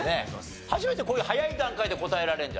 初めてこういう早い段階で答えられるんじゃない？